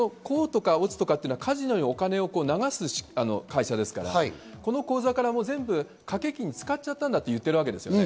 甲乙とかはカジノにお金を流す会社ですから、その口座から全部掛け金、使っちゃったんだと言ってるんですよね。